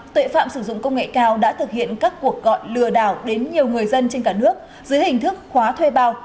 hợp dụng công nghệ cao đã thực hiện các cuộc gọi lừa đảo đến nhiều người dân trên cả nước dưới hình thức khóa thuê bao